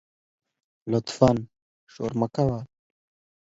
لطفآ شور مه کوه